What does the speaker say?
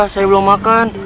saya belum makan